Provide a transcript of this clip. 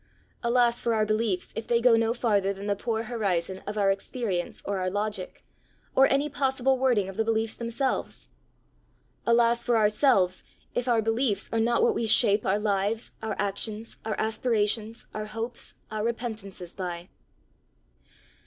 Alas for our beliefs if they go no farther than the poor horizon of our experience or our logic, or any possible wording of the beliefs themselves! Alas for ourselves if our beliefs are not what we shape our lives, our actions, our aspirations, our hopes, our repentances by!